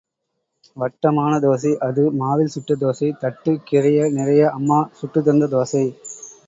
வட்ட மான தோசை—அது மாவில் சுட்ட தோசை தட்டு கிறைய நிறைய—அம்மா சுட்டுத் தந்த தோசை.